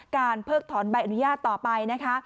เพิกถอนใบอนุญาตต่อไปนะคะ